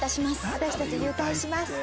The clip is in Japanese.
私たち勇退します。